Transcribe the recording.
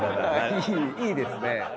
いいですね。